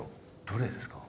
どれですか？